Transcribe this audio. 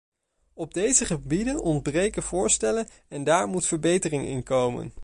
Op deze gebieden ontbreken voorstellen en daar moet verbetering in komen.